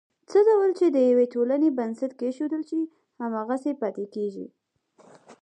څه ډول چې د یوې ټولنې بنسټ کېښودل شي، هماغسې پاتې کېږي.